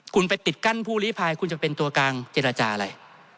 คุณไปปิดกั้นผู้ลิพายคุณจะเป็นตัวกลางเจรจาอะไร